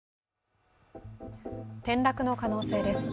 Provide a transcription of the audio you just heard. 転落の可能性です。